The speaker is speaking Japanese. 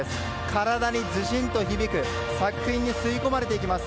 体に、ずしんと響き作品に吸い込まれていきます。